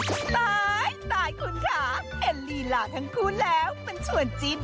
ตายตายคุณคะเห็นลี่หล่าทางคุณแล้ว